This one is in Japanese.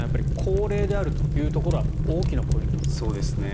高齢であるというところは大きなポイントですね。